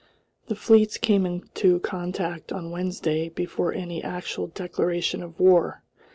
The fleets came into contact on Wednesday before any actual declaration of war.